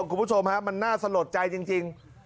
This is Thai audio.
คุณผู้ชมมันน่าสะหรับใจจริง